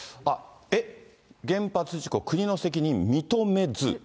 えっ、原発事故、国の責任、認めず。